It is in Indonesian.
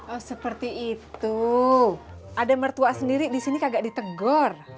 oh seperti itu ada mertua sendiri di sini agak ditegur